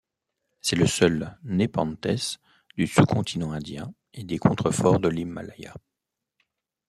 C'est le seul népenthès du sous-continent Indien et des contreforts de l'Himalaya.